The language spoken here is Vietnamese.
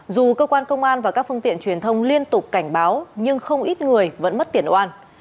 dù cơ quan công an và các phương tiện truyền thông liên tục cảnh báo nhưng không ít người vẫn mất tiền oan